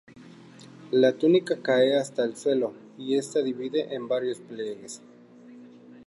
La túnica cae hasta el suelo y se divide en varios pliegues.